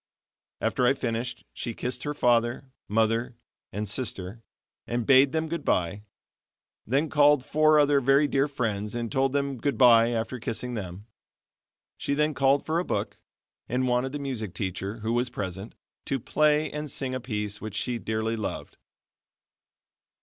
After I finished, she kissed her father, mother, and sister and bade them goodbye; then called four other very dear friends and told them goodbye after kissing them. She then called for a book and wanted the music teacher, who was present, to play and sing a piece which she dearly loved.